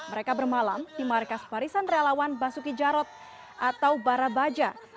mereka bermalam di markas barisan relawan basuki jarot atau barabaja